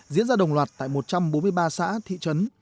diễn ra đồng loạt tại một trăm bốn mươi ba xã thị trấn